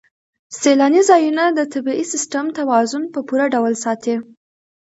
سیلاني ځایونه د طبعي سیسټم توازن په پوره ډول ساتي.